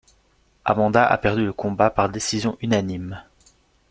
Amanda a perdu le combat par décision unanime.